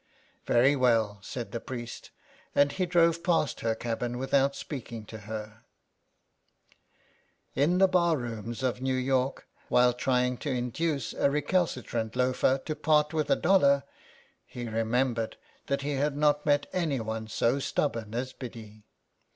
'' Very well," said the priest, and he drove past her cabin without speaking to her. 90 SOME PARISHIONERS. In the bar rooms of New York, while trying to induce a recalcitrant loafer to part with a dollar, he remembered that he had not met anyone so stubborn as Biddy.